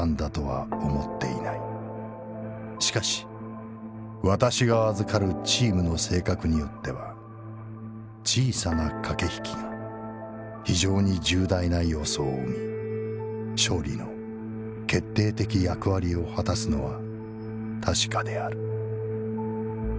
しかし私が預るチームの性格によっては小さな掛引きが非常に重大な要素を生み勝利の決定的役割を果すのは確かである」。